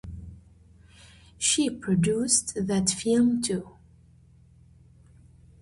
She produced that film too.